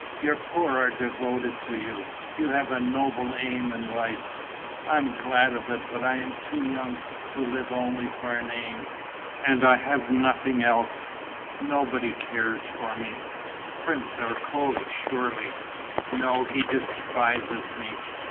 "Your poor are devoted to you. You have a noble aim in life." "I'm glad of it, but I am too young to live only for an aim. And I have nothing else. Nobody cares for me." "Prince Ercole, surely?" "No, he despises me.